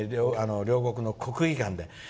両国の国技館で。